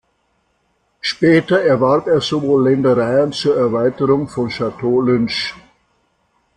Später erwarb er sowohl Ländereien zur Erweiterung von Château Lynch.